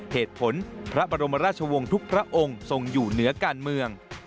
เหตุผลพระบรมราชวงศ์ทุกพระองค์ทรงอยู่เหนือการเมือง